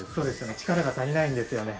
力が足りないんですよね。